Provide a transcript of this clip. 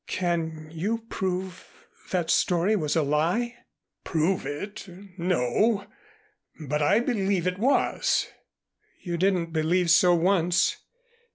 "Can you prove that story was a lie?" "Prove it? No. But I believe it was." "You didn't believe so once.